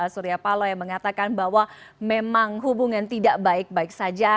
surya paloh yang mengatakan bahwa memang hubungan tidak baik baik saja